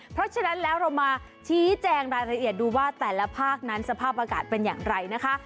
เพราะฉะนั้นแล้วเรามาชี้แจงรายละเอียดดูว่าแต่ละภาคนั้นสภาพอากาศเป็นอย่างไรนะคะ